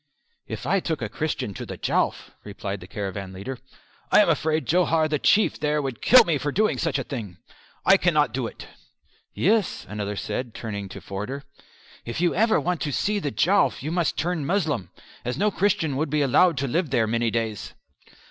"If I took a Christian to the Jowf," replied the caravan leader, "I am afraid Johar the Chief there would kill me for doing such a thing. I cannot do it." "Yes," another said, turning to Forder, "if you ever want to see the Jowf you must turn Moslem, as no Christian would be allowed to live there many days."